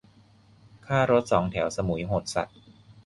ค่ารถสองแถวสมุยโหดสัส